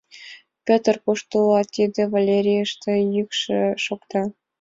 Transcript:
— Петр, кушто улат? — тиде Валерийын йӱкшӧ шокта.